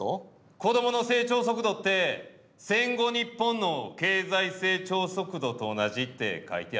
子どもの成長速度って戦後日本の経済成長速度と同じって書いてあったわ。